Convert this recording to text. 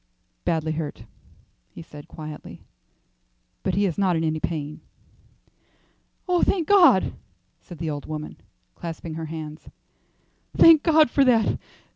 "Badly hurt," he said, quietly, "but he is not in any pain." "Oh, thank God!" said the old woman, clasping her hands. "Thank God for that!